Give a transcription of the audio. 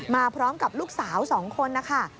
มาพร้อมกับลูกสาว๒คนนะคะ